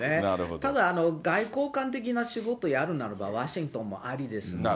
ただ外交官的な仕事やるならば、ワシントンもありですので。